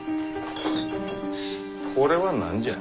これは何じゃ？